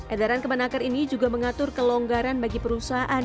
edaran kemenaker ini juga mengatur kelonggaran bagi perusahaan